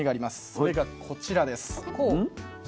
それがこちらです。